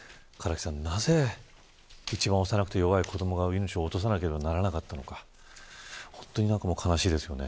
なぜ一番幼くて弱い子どもが命を落とさなければならなかったのか本当に悲しいですね。